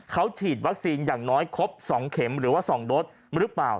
เขาฉีดวัคซีนอย่างน้อยครบ๒เข็มหรือว่า๒โดสหรือเปล่า